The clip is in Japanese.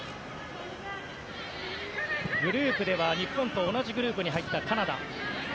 グループでは、日本と同じグループに入ったカナダ。